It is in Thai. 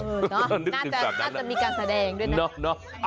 น่าจะมีการแสดงด้วยนะนึกถึงตอนนั้นนะ